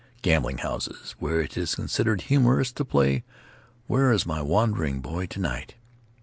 Gambling houses where it is considered humorous to play "Where Is My Wandering Boy To night?"